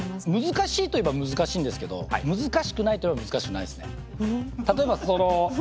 難しいといえば難しいんですけど難しくないといえば難しくないですね。